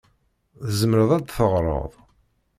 Tzemreḍ ad d-teɣreḍ?